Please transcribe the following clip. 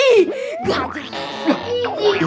ini depan pak kiai loh